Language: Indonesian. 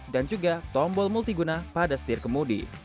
dan juga tombol multiguna pada setir kemudi